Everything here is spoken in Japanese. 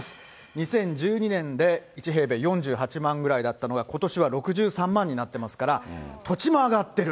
２０１２年で、１平米４８万ぐらいだったのが、ことしは６３万になってますから、土地も上がってる。